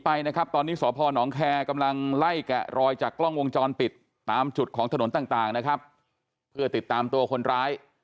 ผมต้องคิดว่ามีอยู่ก่อนแหละ